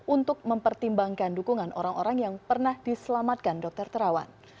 untuk mempertimbangkan dukungan orang orang yang pernah diselamatkan dokter terawan